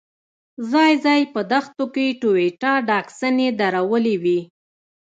ځای ځای په دښتو کې ټویوټا ډاډسنې درولې وې.